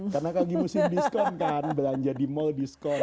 karena lagi musim diskon kan belanja di mall diskon